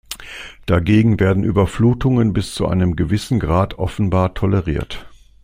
Dagegen werden Überflutungen bis zu einem gewissen Grad offenbar toleriert.